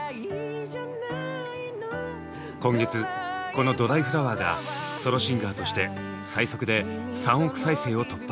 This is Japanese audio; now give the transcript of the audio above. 今月この「ドライフラワー」がソロシンガーとして最速で３億再生を突破。